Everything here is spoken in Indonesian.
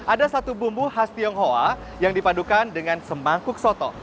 ada satu bumbu khas tionghoa yang dipadukan dengan semangkuk soto